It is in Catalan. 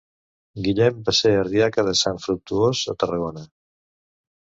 Guillem va ser ardiaca de Sant Fructuós, a Tarragona.